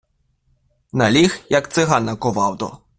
Наліг, як циган на ковалдо